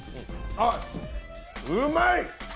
あっ、うまい！